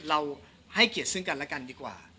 เราให้เกียรติซึ่งกันและกันดีกว่า